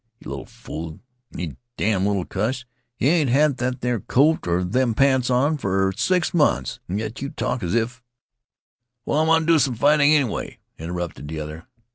"You little fool. You little damn' cuss. You ain't had that there coat and them pants on for six months, and yet you talk as if " "Well, I wanta do some fighting anyway," interrupted the other.